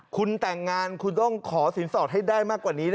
คุณแต่งงานคุณต้องขอสินสอดให้ได้มากกว่านี้